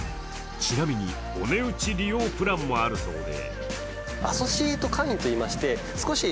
ちなみにお値打ち利用プランもあるそうで。